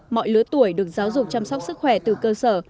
mọi lứa tuổi được giáo dục chăm sóc sức khỏe từ cơ sở